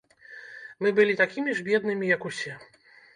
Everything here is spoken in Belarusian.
Мы былі такім ж беднымі, як усе.